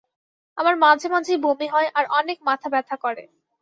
আমার মাঝে মাঝেই বমি হয় আর অনেক মাথা ব্যথা করে।